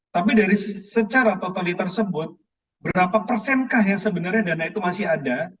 tapi dari secara totali tersebut berapa persenkah yang sebenarnya dana itu masih ada